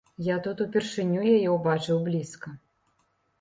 Я тут упершыню яе ўбачыў блізка.